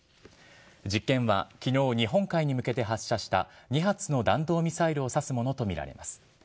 実験はきのう、日本海に向けて発射した、２発の弾道ミサイルを指すものと見られます。